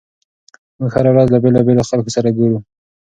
موږ هره ورځ له بېلابېلو خلکو سره ګورو.